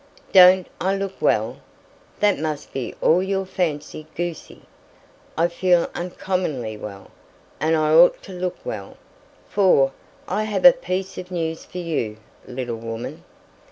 "Don't I look well? That must be all your fancy, goosey. I feel uncommonly well; and I ought to look well, for I have a piece of news for you, little woman."